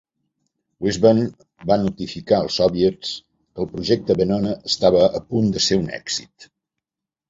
Weisband va notificar als Soviets que el projecte Venona estava a punt de ser un èxit.